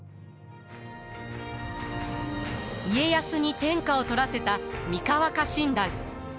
家康に天下を取らせた三河家臣団。